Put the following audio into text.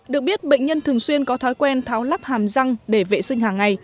được biết bệnh nhân thường xuyên có thói quen tháo lắp hàm răng để vệ sinh hàng ngày